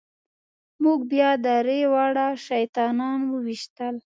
موږ بیا درې واړه شیطانان وويشتل.